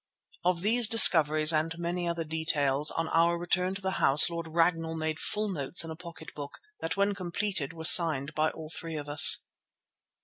Of these discoveries and many other details, on our return to the house, Lord Ragnall made full notes in a pocket book, that when completed were signed by all three of us.